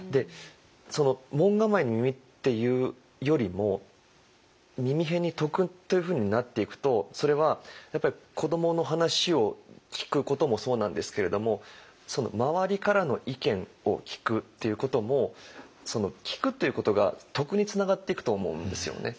その門構えに「耳」っていうよりも耳偏に「徳」というふうになっていくとそれはやっぱり子どもの話を聴くこともそうなんですけれどもその周りからの意見を聴くっていうことも聴くということが徳につながっていくと思うんですよね。